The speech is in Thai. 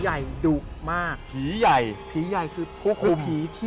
ดั่งนักการหายไปด้วยนักการเพลง